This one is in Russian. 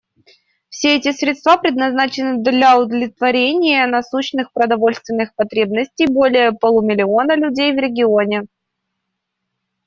Все эти средства предназначены для удовлетворения насущных продовольственных потребностей более полумиллиона людей в регионе.